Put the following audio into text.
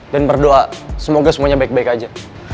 dan berdoa semoga semuanya baik baik aja